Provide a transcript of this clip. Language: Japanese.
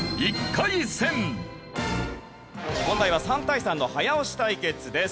問題は３対３の早押し対決です。